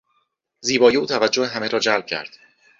زیبایی او توجه همه را جلب کرد.